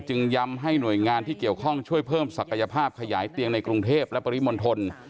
ย้ำให้หน่วยงานที่เกี่ยวข้องช่วยเพิ่มศักยภาพขยายเตียงในกรุงเทพและปริมณฑล